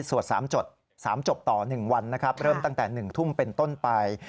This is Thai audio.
สวด๓จต๓จบต่อ๑วันเริ่มตั้งแต่๑ทุ่มเป็นต้นไป